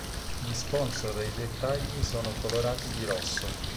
Gli sponsor e i dettagli sono colorati di rosso.